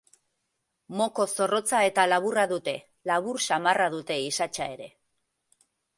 Moko zorrotza eta laburra dute; labur samarra dute isatsa ere.